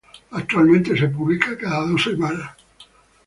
Actualmente se publica cada dos semanas.